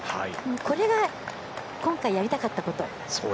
これが今回やりたかったこと。